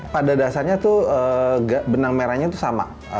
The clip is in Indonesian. pada dasarnya tuh benang merahnya itu sama